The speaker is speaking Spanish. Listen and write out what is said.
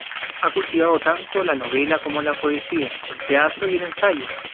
Ha cultivado tanto la novela como la poesía, el teatro y el ensayo.